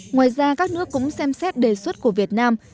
ngoài ra các nước cũng xem xét đề xuất của việt nam